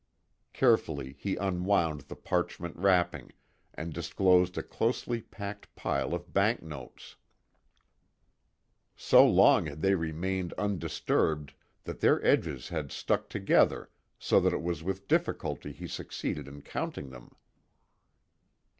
Carefully he unwound the parchment wrapping, and disclosed a closely packed pile of bank notes. So long had they remained undisturbed that their edges had stuck together so that it was with difficulty he succeeded in counting them.